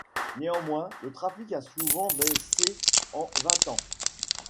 Néanmoins, le trafic a souvent baissé en vingt ans.